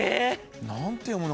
何て読むの？